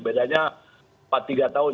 bedanya empat tiga tahun